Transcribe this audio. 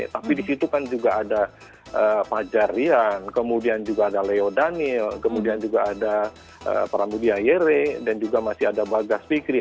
tapi di situ kan juga ada fajar rian kemudian juga ada leo daniel kemudian juga ada pramudia yere dan juga masih ada bagas fikri